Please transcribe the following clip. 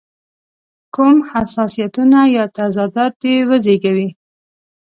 کوم حساسیتونه یا تضادات دې وزېږوي.